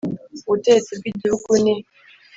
Ubutegetsi bw’igihugu ni